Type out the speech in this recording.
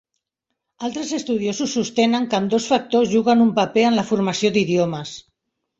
Altres estudiosos sostenen que ambdós factors juguen un paper en la formació d'idiomes.